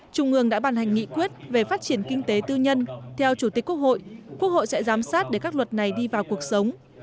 trung ương đã bàn hành nghị quyết về phát triển kinh tế tư nhân theo chủ tịch quốc hội quốc hội sẽ giám sát để các luật này đi vào cuộc sống